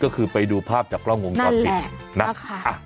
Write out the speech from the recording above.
ก็คือไปดูภาพจากกล้องวงตอนปิด